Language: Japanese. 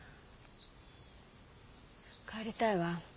帰りたいわ。